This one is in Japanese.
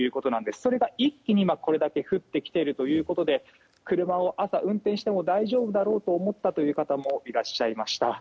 それが、一気にこれだけ降ってきているということで車を朝、運転しても大丈夫だろうと思ったという方もいらっしゃいました。